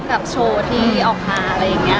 กับโชว์ที่ออกมา